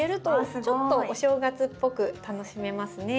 ちょっとお正月っぽく楽しめますね。